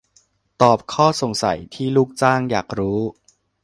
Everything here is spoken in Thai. ตอบข้อสงสัยที่ลูกจ้างอยากรู้